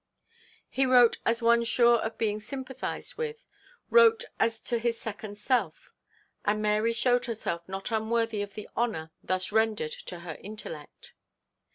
He wrote as one sure of being sympathised with, wrote as to his second self: and Mary showed herself not unworthy of the honour thus rendered to her intellect.